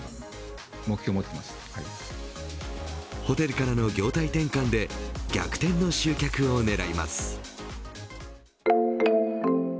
ホテルからの業態転換で逆転の集客を狙います。